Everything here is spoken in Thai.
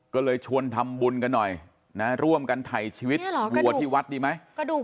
ก็เลยชวนทำบุญกันหน่อยนะร่วมกันถ่ายชีวิตวัวที่วัดดีไหม